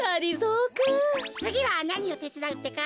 つぎはなにをてつだうってか？